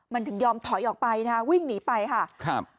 มันถึงยอมถอยออกไปนะฮะวิ่งหนีไปค่ะครับ